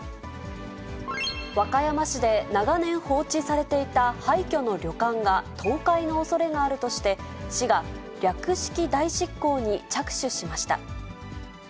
和歌山市で、長年放置されていた廃虚の旅館が倒壊のおそれがあるとして、市が略式代執行に着手しました。